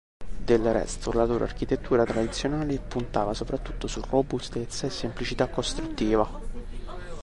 Del resto la loro architettura tradizionale puntava soprattutto su robustezza e semplicità costruttiva.